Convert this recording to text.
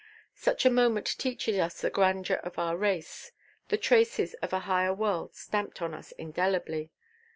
Such a moment teaches us the grandeur of our race, the traces of a higher world stamped on us indelibly.